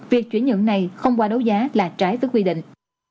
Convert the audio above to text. việc chuyển nhượng này không qua đấu giá là trái với quy định